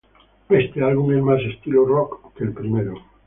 Este álbum es más estilo rock que el primero.